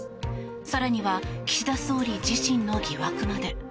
更には岸田総理自身の疑惑まで。